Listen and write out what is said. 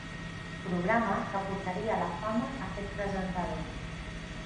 Programa que portaria a la fama a aquest presentador.